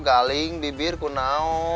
galing bibir aku tahu